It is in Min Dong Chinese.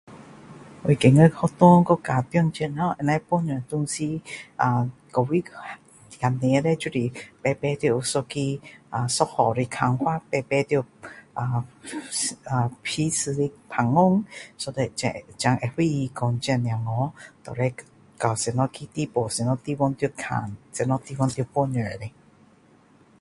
我觉得学校隔壁教育同时就是一起要有一个呃一样的看法大家一起要彼此的聊天 so that 才会明白讲这个小孩到底到什么地步什么地方要看什么地方是要帮助的